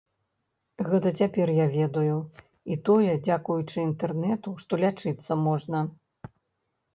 Гэта цяпер я ведаю, і тое, дзякуючы інтэрнэту, што лячыцца можна!